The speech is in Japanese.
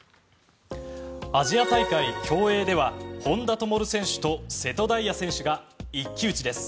アジア大会競泳では本多灯選手と瀬戸大也選手が一騎打ちです。